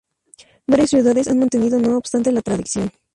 Varias ciudades han mantenido no obstante la tradición.